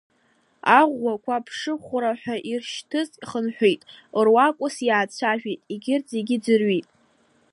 Аӷәӷәақәа ԥшыхәра ҳәа иршьҭыз хынҳәит, Руак ус иаацәажәеит, егьырҭ зегь ӡырҩит…